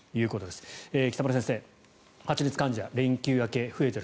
北村先生、発熱患者連休明けに増えている。